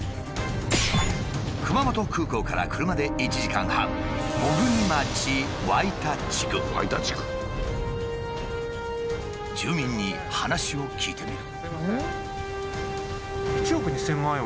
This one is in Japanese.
熊本空港から車で１時間半住民に話を聞いてみる。